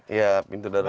iya pintu darah